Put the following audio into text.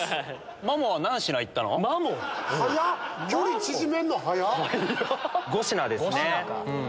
マモ⁉５品ですね。